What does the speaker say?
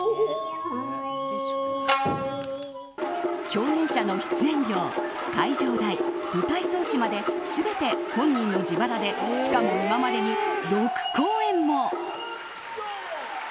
共演者の出演料、会場代舞台装置まで全て本人の自腹でしかも、今までに６公演も。